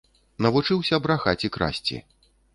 Навучыўся брахаць і красці.